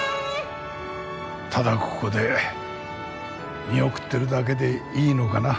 ただここで見送ってるだけでいいのかな？